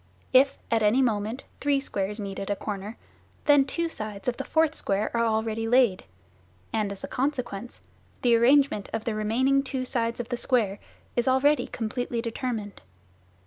If at any moment three squares meet at a corner, then two sides of the fourth square are already laid, and, as a consequence, the arrangement of the remaining two sides of the square is already completely determined.